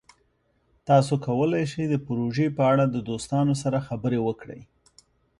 تاسو کولی شئ د پروژې په اړه د دوستانو سره خبرې وکړئ.